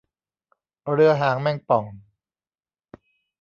เรือหางแมงป่อง